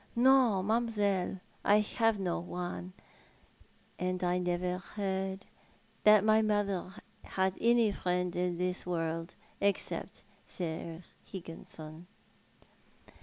" No, mam'selle, I have no one, and I never heard that my mother had any friend in this world, except Sir Higginson."